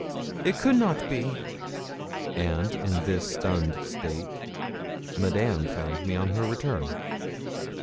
it could not be!' And in this stunned state Madame found me on her return.